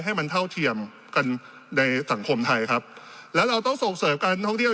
ให้มันเท่าเทียมกันในสังคมไทยครับและเราต้องส่งเสริมการท่องเที่ยว